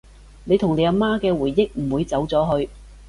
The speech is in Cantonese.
你同你阿媽嘅回憶唔會走咗去